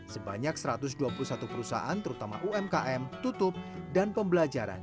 sebanyak satu ratus dua puluh satu perusahaan terutama umkm tutup dan pembelajaran